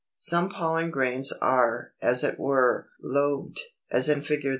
] 298. Some pollen grains are, as it were, lobed (as in Fig.